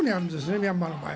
ミャンマーの場合。